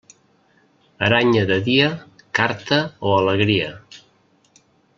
Aranya de dia, carta o alegria.